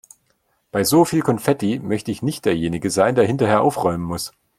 Bei so viel Konfetti möchte ich nicht derjenige sein, der hinterher aufräumen muss.